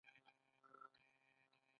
د سرو زرو تاج په طلا تپه کې و